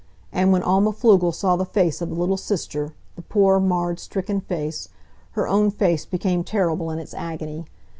And when Alma Pflugel saw the face of the little sister the poor, marred, stricken face her own face became terrible in its agony.